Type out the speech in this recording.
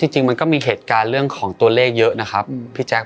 จริงมันก็มีเหตุการณ์เรื่องของตัวเลขเยอะนะครับพี่แจ๊ค